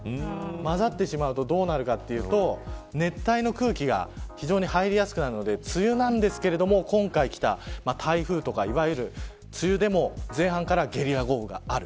まざってしまうとどうなるかというと熱帯の空気が非常に入りやすくなるので梅雨なんですけど今回来た台風とか梅雨でも前半からゲリラ豪雨がある。